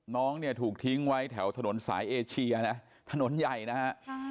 น้องเนี่ยถูกทิ้งไว้แถวถนนสายเอเชียนะถนนใหญ่นะฮะ